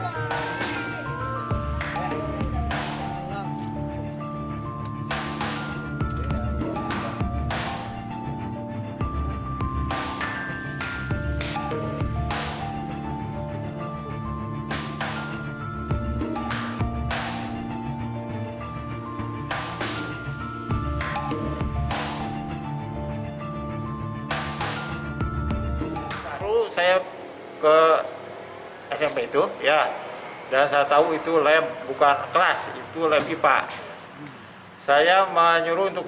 lalu saya ke smp itu ya dan saya tahu itu lem bukan kelas itu lebih pak saya menyuruh untuk